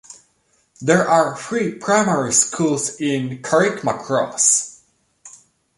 There are three primary schools in Carrickmacross.